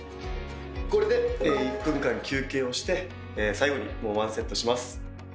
これで１分間休憩をして最後にもう１セットします。